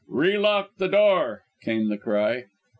"Relock the door!" came the cry.